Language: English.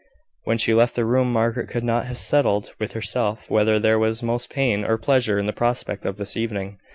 When she left the room, Margaret could not have settled with herself whether there was most pain or pleasure in the prospect of this evening.